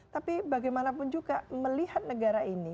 tapi bagaimanapun juga melihat negara ini